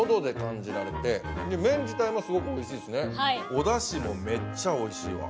おだしもめっちゃおいしいわ。